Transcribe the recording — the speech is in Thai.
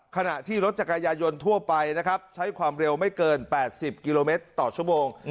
ขณะที่รถจักรยายนทั่วไปนะครับใช้ความเร็วไม่เกิน๘๐กิโลเมตรต่อชั่วโมง